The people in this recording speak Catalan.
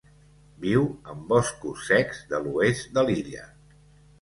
Viu en boscos secs de l'oest de l'illa.